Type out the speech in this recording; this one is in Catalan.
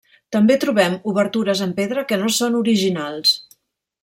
També trobem obertures en pedra que no són originals.